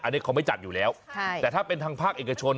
อันนี้เขาไม่จัดอยู่แล้วแต่ถ้าเป็นทางภาคเอกชน